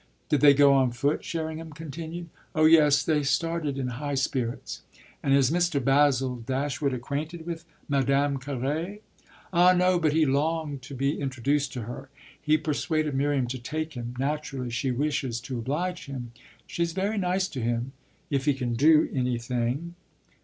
"Did they go on foot?" Sherringham continued. "Oh yes; they started in high spirits." "And is Mr. Basil Dashwood acquainted with Madame Carré?" "Ah no, but he longed to be introduced to her; he persuaded Miriam to take him. Naturally she wishes to oblige him. She's very nice to him if he can do anything."